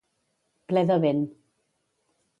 Ple de vent.